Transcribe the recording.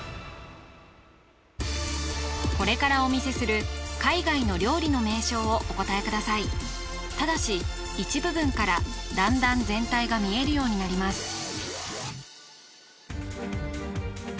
これからお見せする海外の料理の名称をお答えくださいただし一部分から段々全体が見えるようになります